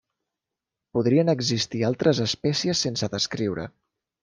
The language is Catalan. Podrien existir altres espècies sense descriure.